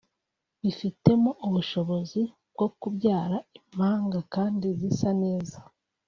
Bifitemo ubushobozi bwo kubyara impanga kandi zisa neza